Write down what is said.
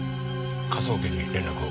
科捜研に連絡を。